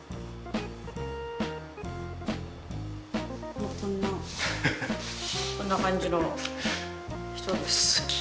こんなこんな感じの人です。